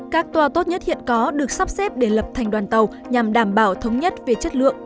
các toa tốt nhất hiện có được sắp xếp để lập thành đoàn tàu nhằm đảm bảo thống nhất về chất lượng